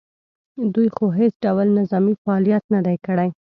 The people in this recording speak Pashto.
دوی خو هېڅ ډول نظامي فعالیت نه دی کړی